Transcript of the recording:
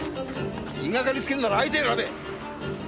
言いがかりつけるなら相手選べ！